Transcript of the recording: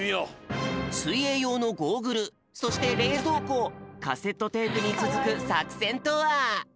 すいえいようのゴーグルそしてれいぞうこカセットテープにつづくさくせんとは？